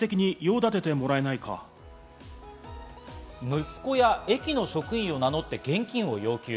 息子や駅の職員を名乗って現金を要求。